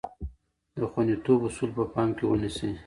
د خوندیتوب اصول په پام کې ونیسئ.